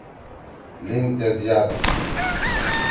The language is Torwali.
لین تیس یاد کی۔